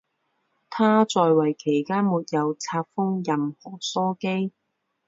他在位期间没有册封任何枢机。